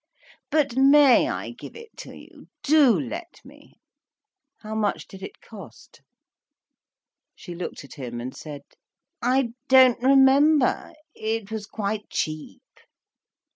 "But may I give it to you? Do let me." "How much did it cost?" She looked at him, and said: "I don't remember. It was quite cheap."